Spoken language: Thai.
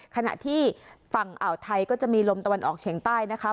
ขณะที่ฝั่งอ่าวไทยก็จะมีลมตะวันออกเฉียงใต้นะคะ